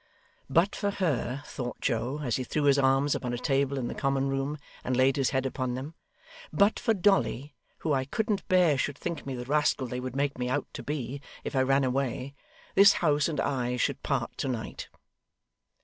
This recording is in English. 'But for her,' thought Joe, as he threw his arms upon a table in the common room, and laid his head upon them, 'but for Dolly, who I couldn't bear should think me the rascal they would make me out to be if I ran away, this house and I should part to night.